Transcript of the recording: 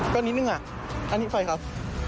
ก็นิดนึงอ่ะอันนี้ไฟครับ